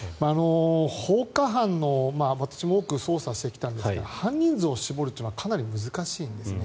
放火犯の私も多く捜査してきたんですが犯人像を絞るというのはかなり難しいんですね。